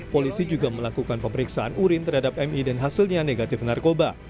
polisi juga melakukan pemeriksaan urin terhadap mi dan hasilnya negatif narkoba